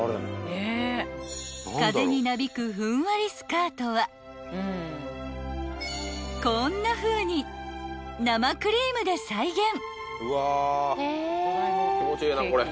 ［風になびくふんわりスカートはこんなふうに生クリームで再現］